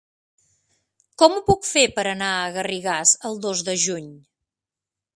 Com ho puc fer per anar a Garrigàs el dos de juny?